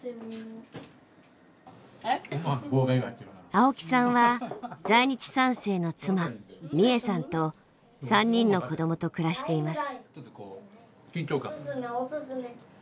青木さんは在日三世の妻ミエさんと３人の子どもと暮らしています。